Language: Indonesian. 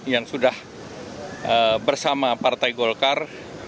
yang sudah bersama partai golkar